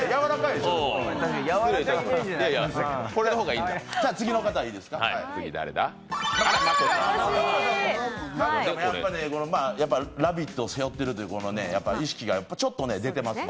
真子ちゃんは「ラヴィット！」を背負ってるという意識がまあ、ちょっと出てますわ。